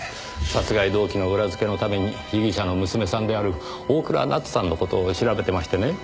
殺害動機の裏付けのために被疑者の娘さんである大倉奈津さんの事を調べてましてね。